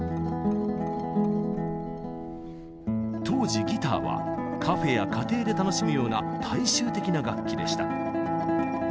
当時ギターはカフェや家庭で楽しむような大衆的な楽器でした。